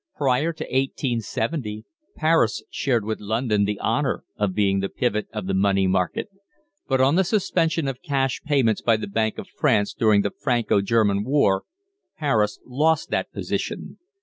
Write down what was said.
Prior to 1870 Paris shared with London the honour of being the pivot of the money market, but on the suspension of cash payments by the Bank of France during the Franco German War, Paris lost that position.